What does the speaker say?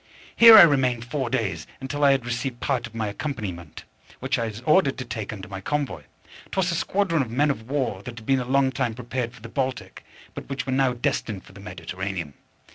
Here I remained four days, until I had received part of my accompaniment, which I was ordered to take under my convoy. 'Twas a squadron of men of war that had been a long time prepared for the Baltic, but which were now destined for the Mediterranean.